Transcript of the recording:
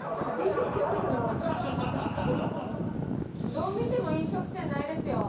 どう見ても飲食店ないですよ。